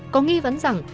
có nghi vấn rằng